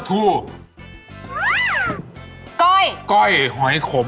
ก้อยก้อยหอยขม